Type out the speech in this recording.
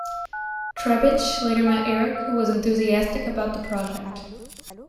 Trebitsch later met Erich, who was enthusiastic about the project.